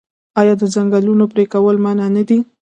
آیا د ځنګلونو پرې کول منع نه دي؟